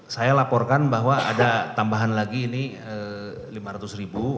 saya laporkan bahwa ada tambahan lagi ini lima ratus ribu